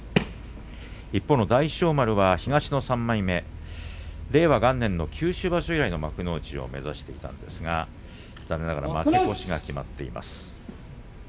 一方の大翔丸は東の３枚目令和元年の九州場所以来の幕内を目指していたんですが残念ながら負け越しが決まっています。